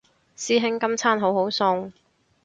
師兄今餐好好餸